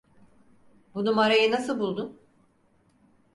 Bu numarayı nasıl buldun?